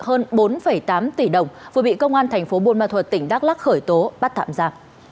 hơn bốn tám tỷ đồng vừa bị công an thành phố buôn ma thuật tỉnh đắk lắc khởi tố bắt tạm ra